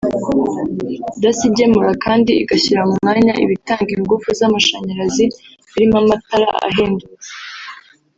Dassy igemura kandi igashyira mu mwanya ibitanga ingufu z’amashanyarazi birimo amatara ahendutse